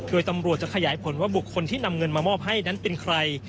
โดยตำรวจจะขยายผลว่าบุคคลที่นำเงินมอบให้ใคร